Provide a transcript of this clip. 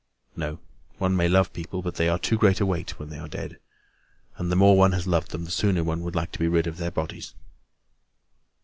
No, one may love people, but they are too great a weight when they are dead; and the more one has loved them, the sooner one would like to be rid of their bodies.